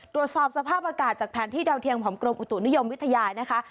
ตรวจสอบสภาพอากาศจากแผนที่ดาวเทียมของกรมอุตุนิยมวิทยานะคะ